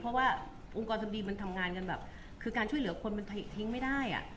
เพราะว่าองค์กรทำดีมันทำงานกันแบบคือการช่วยเหลือคนมันทิ้งไม่ได้อ่ะ